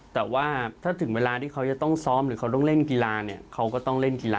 แต่ว่าถ้าถึงเวลาที่เขาจะต้องซ้อมหรือเขาต้องเล่นกีฬาเนี่ย